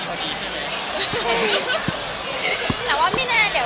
ก็จะมีที่เราได้